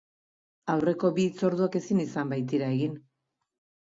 Aurreko bi hitzorduak ezin izan baitira egin.